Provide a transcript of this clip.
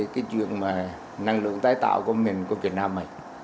cái chuyện mà năng lượng tái tạo của mình của việt nam mình